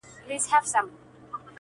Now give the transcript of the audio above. ماته راوړه په ګېډیو کي رنګونه -